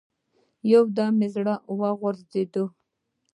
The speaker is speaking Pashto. يو دم مې زړه وغورځېد.